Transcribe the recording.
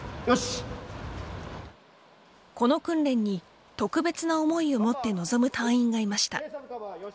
この訓練に特別な思いを持って臨む隊員がいました。